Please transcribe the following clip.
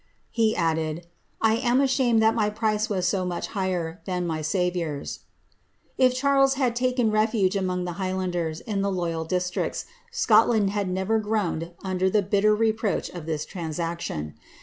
'' He added, ^ I am ashamed that my price was so much higher than my Saviour's." If Charles bad taken refuge among the higfiianders, in the loyal districts, Scotland had never groaned under the bitter reproach of this transaction.